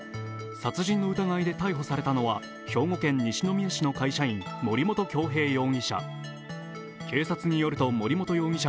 殺人の疑いで逮捕されたのは、兵庫県西宮市の会社員森本恭平容疑者。